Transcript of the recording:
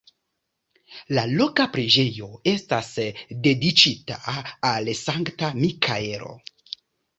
La loka preĝejo estas dediĉita al Sankta Mikaelo.